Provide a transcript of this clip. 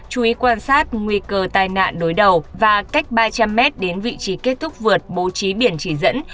chú ý quan sát nguy cơ tai nạn đối đầu và cách ba trăm linh m đến vị trí kết thúc vượt bố trí biển chỉ dẫn